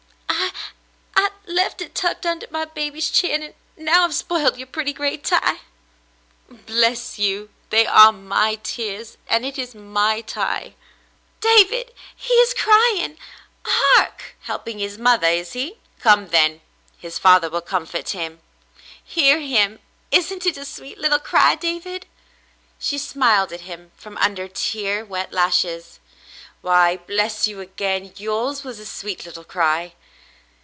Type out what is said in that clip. "I — I — left it tucked under baby's chin — and now I've spoiled your pretty gray tie." " Bless you ! They are my tears, and it is my tie —"'* David ! He is crying — hark !"*' Helping his mother, is he "^ Come then, his father will comfort him." "Hear him. Isn't it a sweet little cry, David .f^" She smiled at him from under tear wet lashes. "Why, bless you again ! Yours was a sweet little cry."